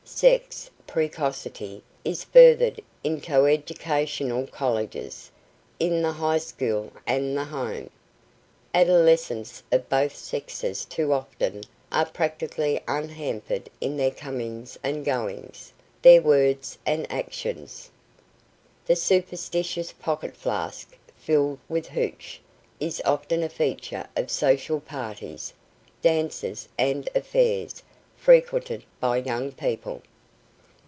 Sex precocity is furthered in coeducational colleges, in the high school and the home. Adolescents of both sexes too often are practically unhampered in their comings and goings, their words and actions. The surreptitious pocket flask, filled with "hooch," is often a feature of social parties, dances and affairs frequented by young people.